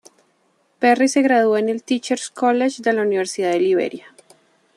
Perry se graduó en el Teachers College de la Universidad de Liberia.